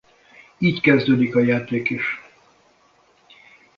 Így kezdődik a játék is.